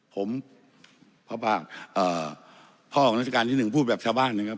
ผมพระบาทพ่อของนักศิการที่๑ผู้แบบชาวบ้านนะครับ